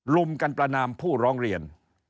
ลุมกันประนามผู้ร้องเรียน